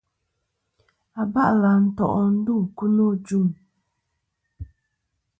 Aba'lɨ à nto' ndu ku no.